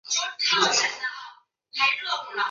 宋朝鄂州诸军都统制孟珙回来援救。